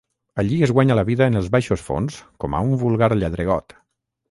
Allí es guanya la vida en els baixos fons com a un vulgar lladregot.